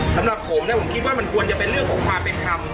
สำหรับผมนะผมคิดว่ามันควรจะเป็นเรื่องของความเป็นธรรม